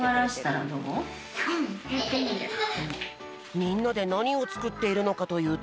みんなでなにをつくっているのかというと。